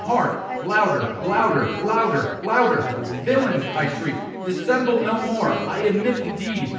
hark! louder! louder! louder! louder! "Villains!" I shrieked, "dissemble no more! I admit the deed!